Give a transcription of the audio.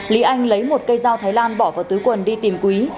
lý anh lấy một cây dao thái lan bỏ vào túi quần đi tìm quý